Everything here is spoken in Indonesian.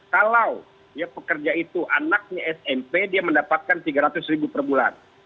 kalau ya pekerja itu anaknya smp dia mendapatkan tiga ratus per bulan